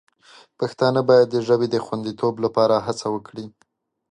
پښتانه باید د ژبې د خوندیتوب لپاره هڅه وکړي.